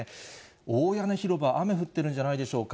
大屋根広場、雨降ってるんじゃないでしょうか。